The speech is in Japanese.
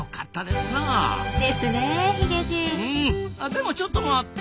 でもちょっと待った！